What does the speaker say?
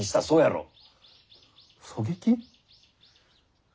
そうやろ？